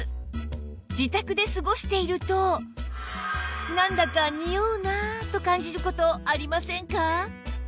自宅で過ごしているとなんだかにおうなと感じる事ありませんか？